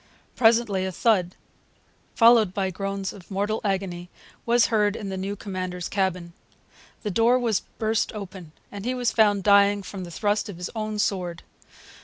Presently a thud, followed by groans of mortal agony, was heard in the new commander's cabin. The door was burst open, and he was found dying from the thrust of his own sword.